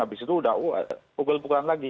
habis itu udah pukul pukulan lagi